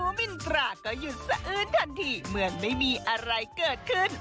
มินตราก็หยุดสะอื้นทันทีเหมือนไม่มีอะไรเกิดขึ้น